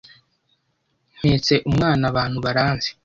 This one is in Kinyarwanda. mpetse umwana abantu baranzi